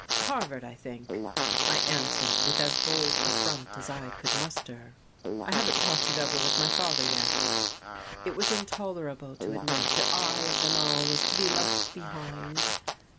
"Harvard, I think," I answered with as bold a front as I could muster. "I haven't talked it over with my father yet." It was intolerable to admit that I of them all was to be left behind.